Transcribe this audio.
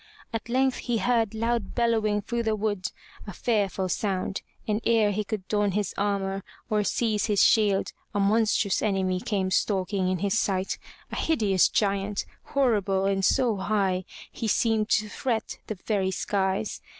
At length he heard loud bel lowing through the wood, a fearful sound, and ere he could don his armor or seize his shield, a monstrous enemy came stalking in his sight, a hideous giant, horrible, and so high, he seemed to threat the very skies.